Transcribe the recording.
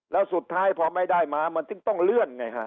แล้วสุดท้ายพอไม่ได้มเรื่องมามันต้องเลื่อนไงบ้าง